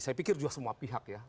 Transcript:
saya pikir juga semua pihak ya